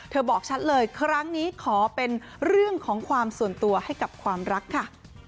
บอกชัดเลยครั้งนี้ขอเป็นเรื่องของความส่วนตัวให้กับความรักค่ะ